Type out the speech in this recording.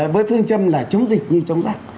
với phương châm là chống dịch như chống giặc